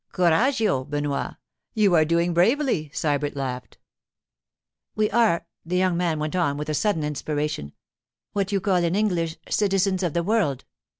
'Coraggio, Benoit! You are doing bravely,' Sybert laughed. 'We are,' the young man went on with a sudden inspiration, 'what you call in English, citizens of the world.